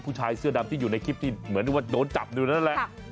ผู้ชายเสื้อดำที่อยู่ในคลิปที่เหมือนว่าโดนจับอยู่นั่นแหละ